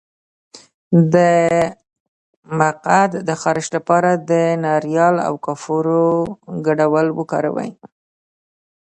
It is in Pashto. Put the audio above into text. د مقعد د خارښ لپاره د ناریل او کافور ګډول وکاروئ